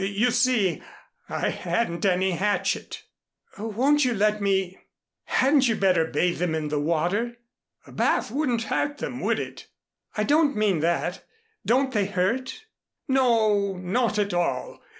You see, I hadn't any hatchet." "Won't you let me hadn't you better bathe them in the water?" "A bath wouldn't hurt them, would it?" "I didn't mean that. Don't they hurt?" "No, not at all.